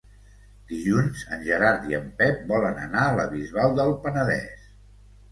Dilluns en Gerard i en Pep volen anar a la Bisbal del Penedès.